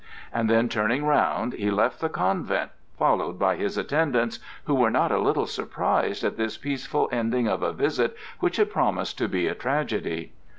And then turning round, he left the convent, followed by his attendants, who were not a little surprised at this peaceful ending of a visit which had promised to be a tragedy.